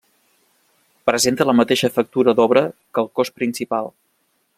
Presenta la mateixa factura d'obra que el cos principal.